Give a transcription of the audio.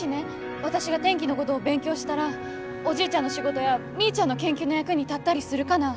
私が天気のごどを勉強したらおじいちゃんの仕事やみーちゃんの研究の役に立ったりするかな？